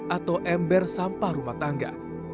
atau ember sampah rumah tangga